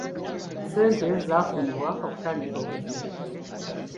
Ssente zaafunibwa okutandika okuzimba .